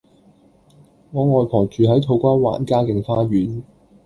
我外婆住喺土瓜灣嘉景花園